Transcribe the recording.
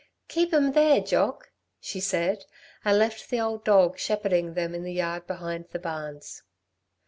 "Keep 'em there, Jock!" she said and left the old dog shepherding them in the yard behind the barns.